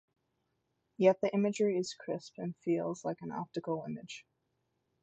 Yet the imagery is crisp and "feels" like an optical image.